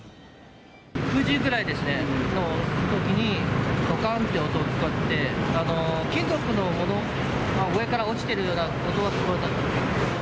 ９時ぐらいですね、のときに、どかんって音が聞こえて、金属の上から落ちてるような、音が聞こえたんですね。